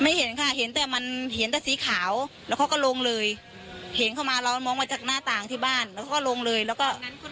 เห็นค่ะเห็นแต่มันเห็นแต่สีขาวแล้วเขาก็ลงเลยเห็นเข้ามาเรามองมาจากหน้าต่างที่บ้านแล้วเขาก็ลงเลยแล้วก็